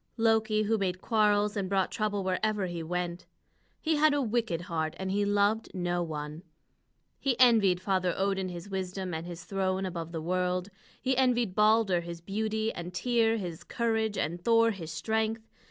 Loki, who made quarrels and brought trouble wherever he went. He had a wicked heart, and he loved no one. He envied Father Odin his wisdom and his throne above the world. He envied Balder his beauty, and Tŷr his courage, and Thor his strength.